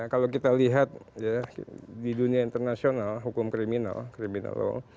kalau kita lihat di dunia internasional hukum kriminal